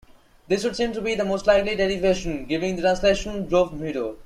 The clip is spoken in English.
This would seem to be the most likely derivation, giving the translation "Grove Meadow".